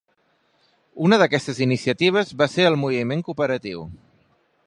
Una d'aquestes iniciatives va ser el moviment cooperatiu.